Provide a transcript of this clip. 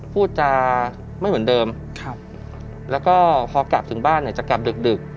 พูดจาไม่เหมือนเดิมแล้วก็พอกลับถึงบ้านเนี่ยจะกลับดึก